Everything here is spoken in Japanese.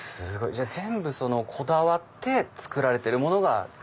じゃあ全部こだわって作られてるものが。